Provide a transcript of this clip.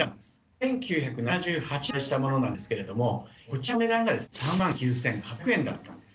１９７８年に発売したものなんですけれどもこちらの値段が３９，８００円だったんです。